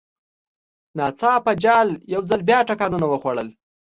ناڅاپه جال یو ځل بیا ټکانونه وخوړل.